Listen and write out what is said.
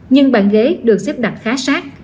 nhưng bàn ghế được xếp đặt khá sát